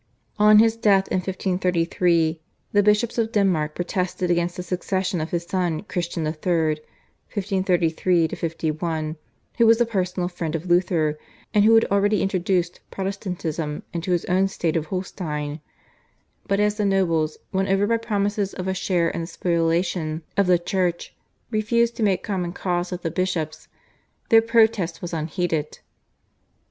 On his death in 1533 the bishops of Denmark protested against the succession of his son Christian III. (1533 51) who was a personal friend of Luther, and who had already introduced Protestantism into his own state of Holstein; but as the nobles, won over by promises of a share in the spoliation of the Church, refused to make common cause with the bishops, their protest was unheeded.